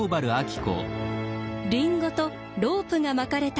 りんごとロープが巻かれた杭。